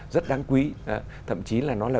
rất đáng quý thậm chí là nó là